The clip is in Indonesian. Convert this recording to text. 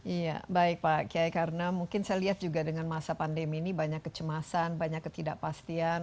iya baik pak kiai karena mungkin saya lihat juga dengan masa pandemi ini banyak kecemasan banyak ketidakpastian